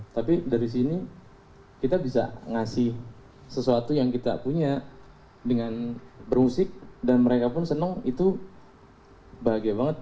tapi dari sini kita bisa ngasih sesuatu yang kita punya dengan bermusik dan mereka pun senang itu bahagia banget